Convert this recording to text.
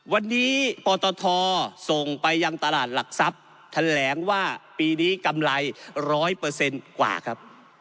วันนี้ปธทส่งไปยังตลาดหลักทรัพย์แถนแหลงว่าปีนี้กำไรร้อยเปอร์เซ็นต์กว่าครับ